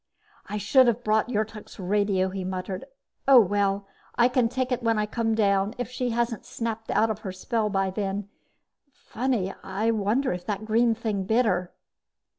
"I should have brought Yrtok's radio," he muttered. "Oh, well, I can take it when I come down, if she hasn't snapped out of her spell by then. Funny ... I wonder if that green thing bit her."